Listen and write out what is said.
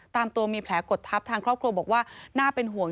ตอนนี้อายุ๘๒แล้ว